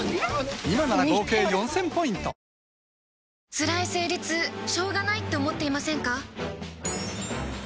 つらい生理痛しょうがないって思っていませんか？